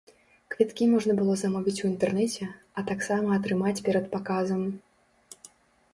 Квіткі можна было замовіць у інтэрнэце, а таксама атрымаць перад паказам.